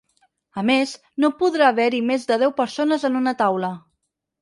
A més, no podrà haver-hi més de deu persones en una taula.